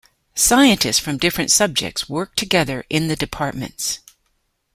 Scientists from different subjects work together in the departments.